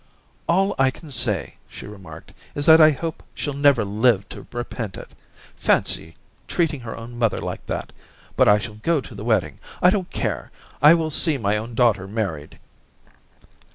* All I can say,' she remarked, * is that I hope she'll never live to repent it. Fancy treating her own mother like that! 264 Orientations But I shall go to the wedding; I don't care. I will see my own daughter married.'